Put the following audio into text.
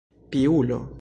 Piulo!